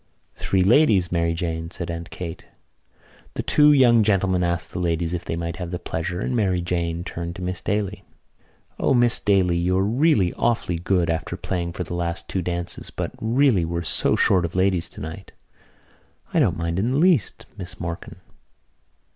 "Three ladies, Mary Jane," said Aunt Kate. The two young gentlemen asked the ladies if they might have the pleasure, and Mary Jane turned to Miss Daly. "O, Miss Daly, you're really awfully good, after playing for the last two dances, but really we're so short of ladies tonight." "I don't mind in the least, Miss Morkan."